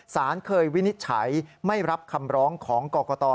สารเคยวินิจฉัยไม่รับคำร้องของกรกต